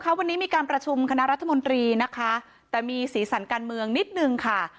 วันนี้มีการประชุมคณะรัฐมนตรีนะคะแต่มีสีสันการเมืองนิดนึงค่ะ